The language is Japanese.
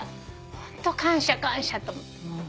ホント感謝感謝と思って。